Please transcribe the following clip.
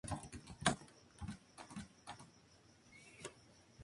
La nave central está cubierta por armaduras de madera.